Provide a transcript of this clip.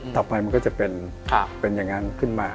ต่อไปมันก็จะเป็นอย่างนั้นขึ้นมา